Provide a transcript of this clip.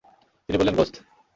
তিনি বললেনঃ গোসত।